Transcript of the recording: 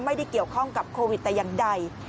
ไม่ได้เกี่ยวข้องกับโควิดแต่อย่างใด